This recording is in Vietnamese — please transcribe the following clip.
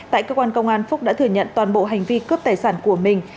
tại cơ quan công an phúc đã thừa nhận toàn bộ hành vi cướp tài sản của mình